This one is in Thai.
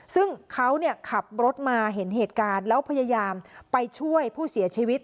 ซึ่งเขาขับรถมาเห็นเหตุการณ์แล้วพยายามไปช่วยผู้เสียชีวิต